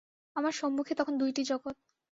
আমার সম্মুখে তখন দুইটি জগৎ।